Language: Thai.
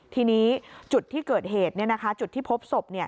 ทีนี้จุดที่เกิดเหตุจุดที่พบศพ